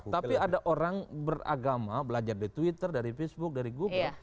tapi ada orang beragama belajar di twitter dari facebook dari google